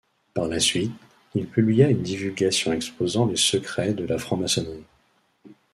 Par la suite, il publia une divulgation exposant les secrets de la franc-maçonnerie.